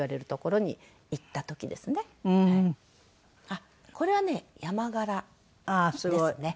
あっこれはねヤマガラですね。